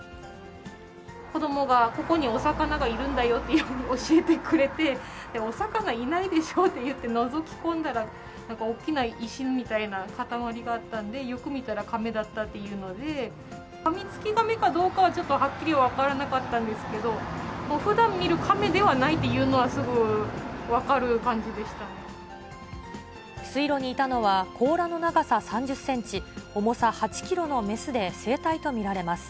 子どもが、ここにお魚がいるんだよって教えてくれて、お魚いないでしょうって言ってのぞき込んだら、なんかおっきな石みたいな塊があったんで、よく見たらカメだったっていうので、カミツキガメかどうかはちょっとはっきり分からなかったんですけど、ふだん見るカメではないというのはすぐ分かる水路にいたのは、甲羅の長さ３０センチ、重さ８キロの雌で、生体と見られます。